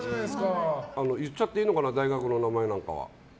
言っちゃっていいのかな大学の名前なんかは。